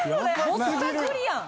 ぼったくりやん。